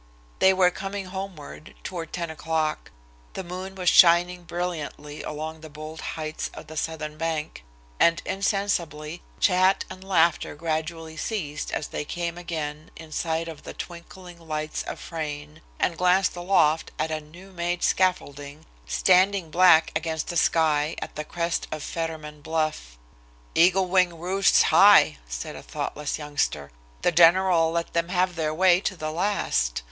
They were coming homeward, toward ten o'clock. The moon was shining brilliantly along the bold heights of the southern bank, and, insensibly, chat and laughter gradually ceased as they came again in sight of the twinkling lights of Frayne, and glanced aloft at a new made scaffolding, standing black against the sky at the crest of Fetterman Bluff. "Eagle Wing roosts high," said a thoughtless youngster. "The general let them have their way to the last.